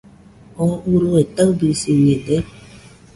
¿Oo urue taɨbɨsiñede?